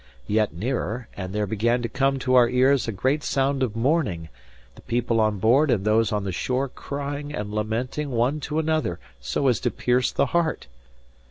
Yet nearer, and there began to come to our ears a great sound of mourning, the people on board and those on the shore crying and lamenting one to another so as to pierce the heart.